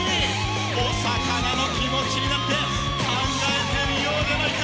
おさかなの気持ちになって考えてみようじゃないか！